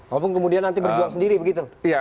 walaupun kemudian nanti berjuang sendiri begitu